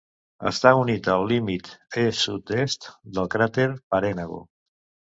Està unit al límit est-sud-est del cràter Parenago.